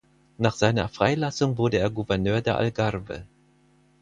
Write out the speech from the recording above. Nach seiner Freilassung wurde er Gouverneur der Algarve.